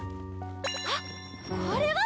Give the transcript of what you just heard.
あっこれは！